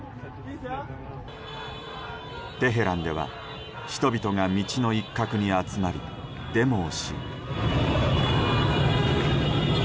テヘランでは人々が道の一角に集まりデモをし。